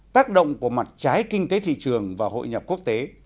tác động của mặt trái kinh tế thị trường và hội nhập quốc tế